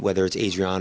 menang dari adriano